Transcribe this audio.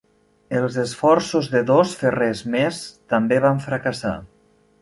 Els esforços de dos ferrers més també van fracassar.